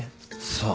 さあ。